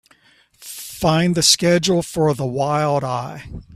Find the schedule for The Wild Eye.